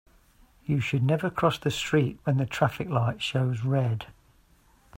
You should never cross the street when the traffic light shows red.